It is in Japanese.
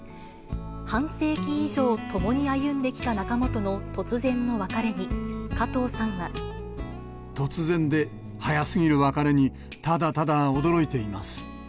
半世紀以上、共に歩んできた仲間との突然の別れに、加藤さんは。突然で早すぎる別れに、ただただ驚いています。